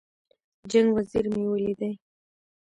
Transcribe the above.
جنګ وزیر مې ولیدی.